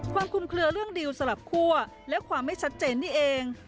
ความคุมเคลือเรื่องดีลสลับคั่วและความไม่ชัดเจนนี่เอง